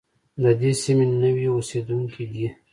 د دې سیمې نوي اوسېدونکي دي.